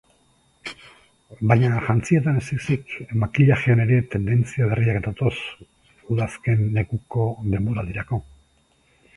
Baina jantzietan ez ezik, makillajean ere tendentzia berriak datoz udazken-neguko denboraldirako.